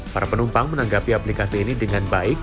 para penumpang menanggapi aplikasi ini dengan baik